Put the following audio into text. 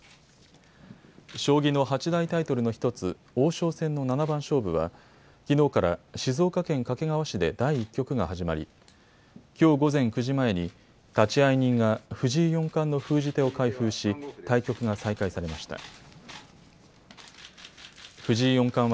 将棋の八大タイトルの１つ、王将戦の七番勝負はきのうから静岡県掛川市で第１局が始まりきょう午前９時前に立会人が藤井四冠が封じ手を開封し、対局が再開されました。